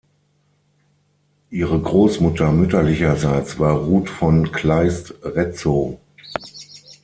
Ihre Großmutter mütterlicherseits war Ruth von Kleist-Retzow.